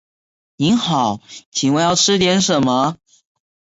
您好，请问要吃点什么？